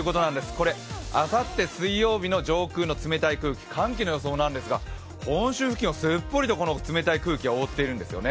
これあさって水曜日の上空の冷たい空気、寒気の予想なんですが、本州付近をすっぽりと冷たい空気が覆っているんですよね。